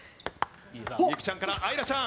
美空ちゃんから愛空ちゃん。